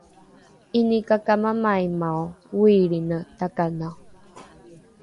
’inikakamamaimao ’oilriine takanao